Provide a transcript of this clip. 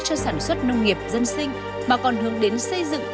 cho sản xuất nông nghiệp dân sinh mà còn hướng đến xây dựng